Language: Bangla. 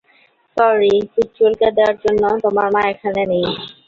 স্যরি, পিঠ চুলকে দেয়ার জন্য তোমার মা এখানে নেই।